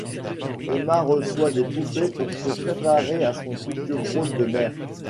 Emma reçoit des poupées pour se préparer à son futur rôle de mère.